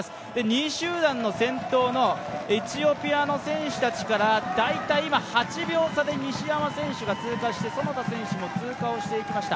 ２位集団の先頭のエチオピアの選手たちから、大体今８秒差で西山選手が通過して其田選手も通過をしていきました。